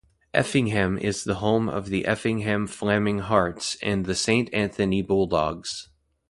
Effingham is the home of the Effingham Flamming Hearts and the Saint Anthony Bulldogs.